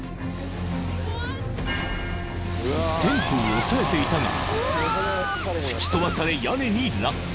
［テントを押さえていたが吹き飛ばされ屋根に落下］